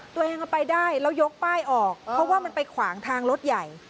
ตัวเองเอาไปได้แล้วยกป้ายออกเพราะว่ามันไปขวางทางรถใหญ่